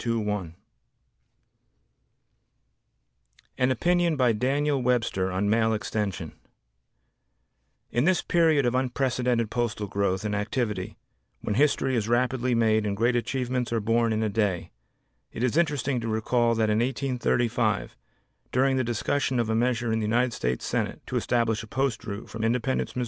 21 An Opinion by Daniel Webster on Mail Extension In this period of unprecedented postal growth and activity when history is rapidly made and great achievements are born in a day, it is interesting to recall that in 1835, during the discussion of a measure in the United States Senate to establish a post route from Independence, Mo.